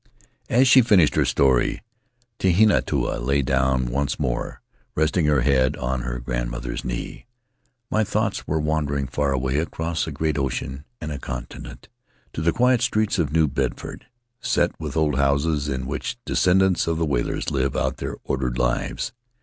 As she finished her story, Tehinatu lay down once more, resting her head on her grandmother's knee. My thoughts were wandering far away — across a great ocean and a continent — to the quiet streets of New Bedford, set with old houses in which the descendants of the whalers live out their ordered fives.